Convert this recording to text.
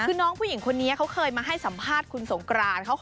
คือน้องผู้หญิงคนนี้เขาเคยมาให้สัมภาษณ์คุณสงกราน